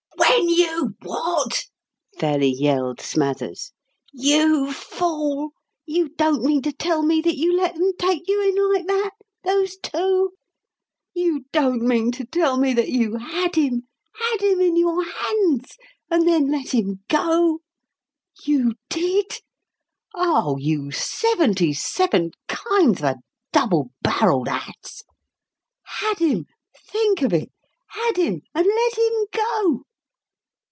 "When you what?" fairly yelled Smathers. "You fool! You don't mean to tell me that you let them take you in like that those two? You don't mean to tell me that you had him had him in your hands and then let him go? You did? Oh! you seventy seven kinds of a double barrelled ass! Had him think of it! had him, and let him go!